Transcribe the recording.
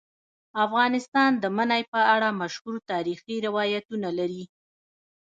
افغانستان د منی په اړه مشهور تاریخی روایتونه لري.